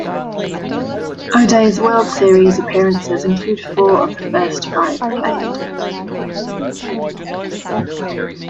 O'Day's World Series appearances include four of the first five played.